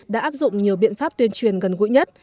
đã áp dụng nhiều biện pháp tuyên truyền gần gũi nhất